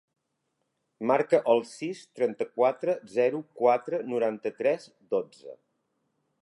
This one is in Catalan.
Marca el sis, trenta-quatre, zero, quatre, noranta-tres, dotze.